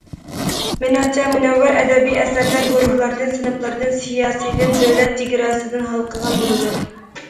مېنىڭچە مۇنەۋۋەر ئەدەبىي ئەسەرلەر گۇرۇھلاردىن، سىنىپلاردىن، سىياسىيدىن، دۆلەت چېگراسىدىن ھالقىغان بولىدۇ.